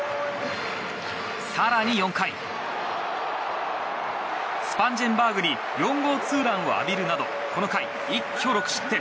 更に４回、スパンジェンバーグに４号ツーランを浴びるなどこの回、一挙６失点。